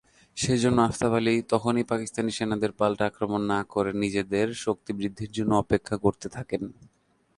সে জন্য আফতাব আলী তখনই পাকিস্তানি সেনাদের পাল্টা আক্রমণ না করে নিজেদের শক্তি বৃদ্ধির জন্য অপেক্ষা করতে থাকেন।